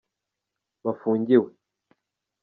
bafungiwe.